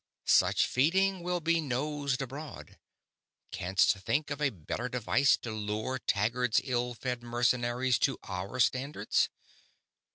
Such feeding will be noised abroad. Canst think of a better device to lure Taggad's ill fed mercenaries to our standards?"